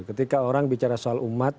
ketika orang bicara soal umat